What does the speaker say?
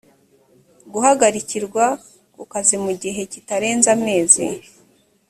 guhagarikwa ku kazi mu gihe kitarenze amezi